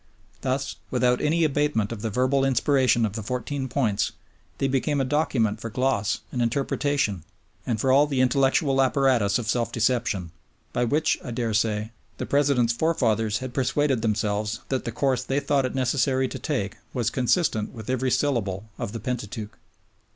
Thus, without any abatement of the verbal inspiration of the Fourteen Points, they became a document for gloss and interpretation and for all the intellectual apparatus of self deception, by which, I daresay, the President's forefathers had persuaded themselves that the course they thought it necessary to take was consistent with every syllable of the Pentateuch.